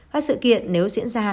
hết sự kiện nếu diễn ra sẽ bàn pháo